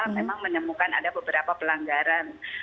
memang menemukan ada beberapa pelanggaran